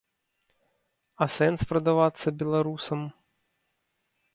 А сэнс прадавацца беларусам?